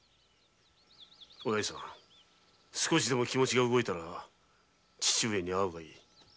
少しでも気持ちが動いたら父上に会うがいい。